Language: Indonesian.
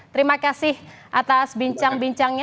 terima kasih atas bincang bincangnya